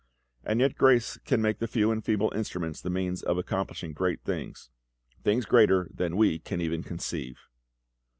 And yet grace can make the few and feeble instruments the means of accomplishing great things things greater than we can even conceive."